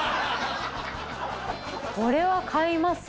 これは買います。